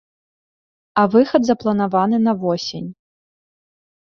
А выхад запланаваны на восень.